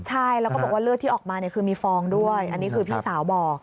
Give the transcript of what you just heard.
ใช่แล้วก็บอกว่าเลือดที่ออกมาคือมีฟองด้วยอันนี้คือพี่สาวบอก